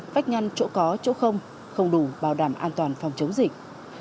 vách ngăn chỗ có chỗ không đủ bảo đảm an toàn phòng chống dịch